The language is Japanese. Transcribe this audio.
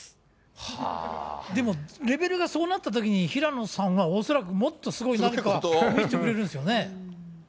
でもレベルがそうなったときに、平野さんは恐らく、もっとすごい何かを見せてくれるんですね。